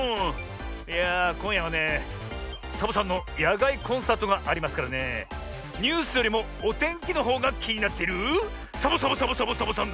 いやあこんやはねサボさんのやがいコンサートがありますからねえニュースよりもおてんきのほうがきになっているサボサボサボサボサボさんだ